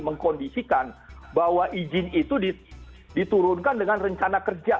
mengkondisikan bahwa izin itu diturunkan dengan rencana kerja